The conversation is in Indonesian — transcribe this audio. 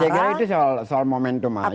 sebenarnya itu soal momentum aja